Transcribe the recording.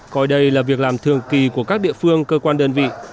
coi đây là việc làm thường kỳ của các địa phương cơ quan đơn vị